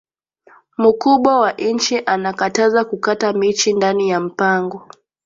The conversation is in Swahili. Mukubwa wa inchi ana kataza ku kata michi ndani ya mpango